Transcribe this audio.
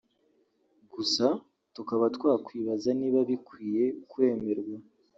gusa tukaba twakwibaza niba bikwiye kwemerwa